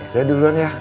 saya duluan ya